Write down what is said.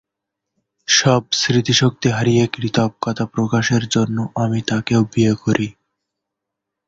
সব স্মৃতিশক্তি হারিয়ে কৃতজ্ঞতা প্রকাশের জন্যে আমি তাকেও বিয়ে করি।